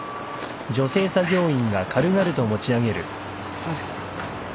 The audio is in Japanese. すんません。